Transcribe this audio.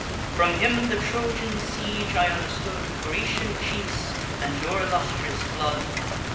From him the Trojan siege I understood, The Grecian chiefs, and your illustrious blood.